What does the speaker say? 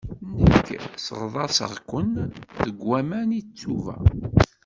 Nekk sseɣḍaṣeɣ-ken deg waman, i ttuba.